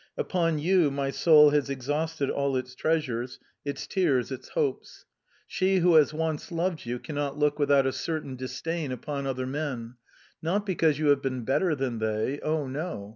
Upon you my soul has exhausted all its treasures, its tears, its hopes. She who has once loved you cannot look without a certain disdain upon other men, not because you have been better than they, oh, no!